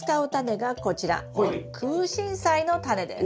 クウシンサイのタネです。